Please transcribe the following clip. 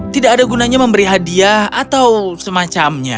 tidak ada gunanya memberi hadiah atau semacamnya